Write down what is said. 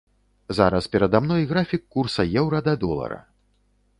Зараз перада мной графік курса еўра да долара.